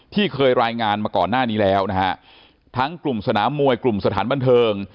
ที่เคยรายงานมาก่อนหน้านี้แล้วนะฮะทั้งกลุ่มสนามมวยกลุ่มสถานบันเทิง